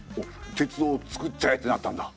「鉄道をつくっちゃえ」ってなったんだ。